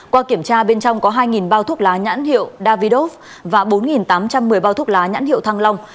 qua kiểm tra bên trong có hai bao thuốc lá nhãn hiệu davidoff và bốn tám trăm một mươi bao thuốc lá nhãn hiệu thăng long